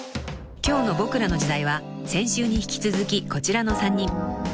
［今日の『ボクらの時代』は先週に引き続きこちらの３人］